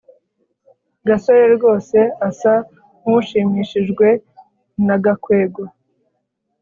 gasore rwose asa nkushimishijwe na gakwego